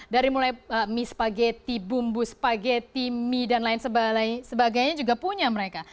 dari mulai mie spageti bumbu spageti mie dan lain sebagainya juga punya mereka